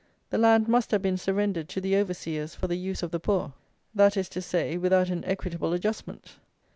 The land must have been surrendered to the overseers for the use of the poor. That is to say, without an "Equitable Adjustment."